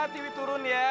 tiwi turun ya